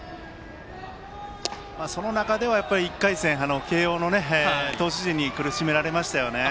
その中では１回戦慶応の投手陣に苦しめられましたね。